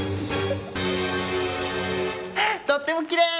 とってもきれい！